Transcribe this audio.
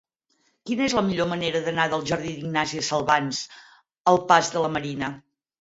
Quina és la millor manera d'anar del jardí d'Ignàsia Salvans al pas de la Marina?